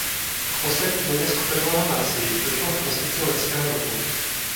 K poslední vlně skupinového násilí došlo v prosinci loňského roku.